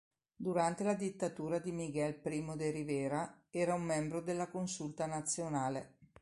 Durante la dittatura di Miguel Primo de Rivera era un membro della Consulta Nazionale.